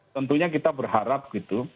tentunya kita berharap gitu